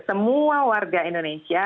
semua warga indonesia